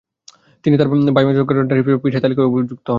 তিনি তার ভাই মাজাৎচোর গ্যারেন্টার হিসেবে পিসায় তালিকাভুক্ত হন।